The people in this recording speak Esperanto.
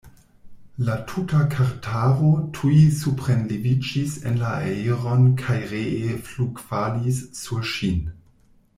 La tuta kartaro tuj suprenleviĝis en la aeron kaj ree flugfalis sur ŝin.